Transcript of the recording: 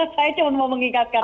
saya cuma mau mengingatkan